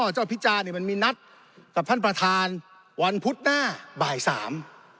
เจ้าพิจาเนี่ยมันมีนัดกับท่านประธานวันพุธหน้าบ่ายสาม